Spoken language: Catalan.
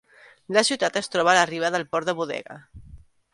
La ciutat es troba a la riba del port de Bodega.